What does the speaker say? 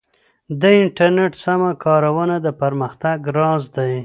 د انټرنیټ سمه کارونه د پرمختګ راز دی.